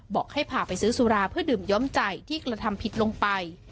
บอกให้พาไปซื้อสุราเพื่อดื่มย้อมใจที่กระทำผิดลงไป